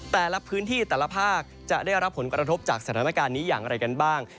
แต่ละพื้นที่แต่ละภาคจะได้รับผลกระทบจากสถานการณ์นี้อย่างไรกันบ้าง